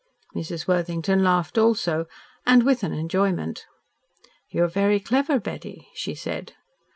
Mrs. Worthington laughed also, and with an enjoyment. "You are very clever, Betty," she said.